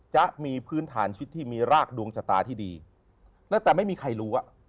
จะมีพื้นฐานชีวิตที่มีรากดวงชะตาที่ดีแล้วแต่ไม่มีใครรู้อ่ะ